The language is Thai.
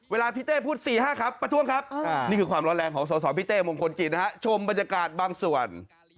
เวลาพี่เต้พูด๔๕ครับประท้วงครับนี่คือความร้อนแรงของสสพี่เต้มงคลกิจนะฮะชมบรรยากาศบางส่วน